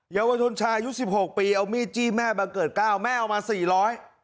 เยาวชนชายุดสิบหกปีเอามีดจี้แม่บังเกิดเก้าแม่เอามาสี่ร้อย